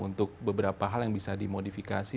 untuk beberapa hal yang bisa dimodifikasi